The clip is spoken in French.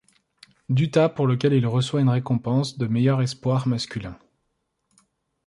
Dutta pour lequel il reçoit une récompense de meilleur espoir masculin.